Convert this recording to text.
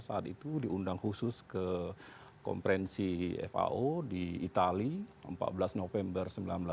saat itu diundang khusus ke komprensi fao di itali empat belas november seribu sembilan ratus empat puluh